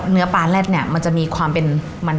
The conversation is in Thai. เนื้อปลาแร็ดเนี่ยมันจะมีความเป็นมัน